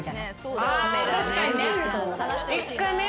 あ確かにね。